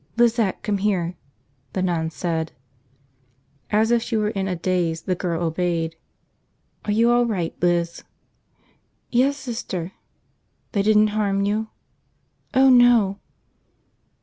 "Lizette, come here," the nun said. As if she were in a daze, the girl obeyed. "Are you all right, Liz?" "Yes, 'Ster." "They didn't harm you?" "Oh, no!"